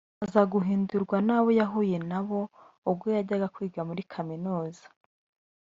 aza guhindurwa n’abo yahuye nabo ubwo yajyaga kwiga muri Kaminuza